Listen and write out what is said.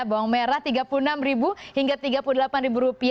bawang merah rp tiga puluh enam hingga rp tiga puluh delapan